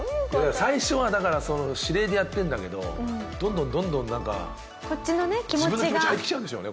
最初はだから指令でやってるんだけどどんどんどんどんなんか自分の気持ち入ってきちゃうんでしょうね